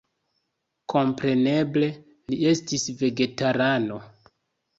Kompreneble, li estis vegetarano.